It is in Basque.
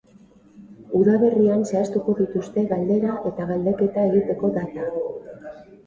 Udaberrian zehaztuko dituzte galdera eta galdeketa egiteko data.